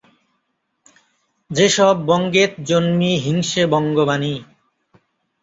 ‘যেসব বঙ্গেত জন্মি হিংসে বঙ্গবাণী।